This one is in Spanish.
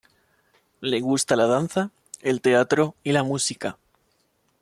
Le gusta la danza, el teatro y la música.